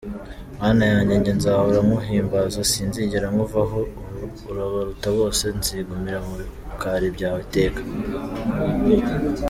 Mana yanjye njye nzahora nguhimbaza, sinzigera nkuvaho urabaruta bose, nzigumira mu bikari byawe iteka,.